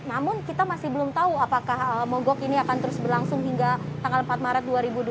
namun kita masih belum tahu apakah mogok ini akan terus berlangsung hingga tanggal empat maret dua ribu dua puluh